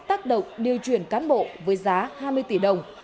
tác động điều chuyển cán bộ với giá hai mươi tỷ đồng